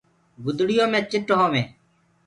گُدڙيو مي چٽ هووينٚ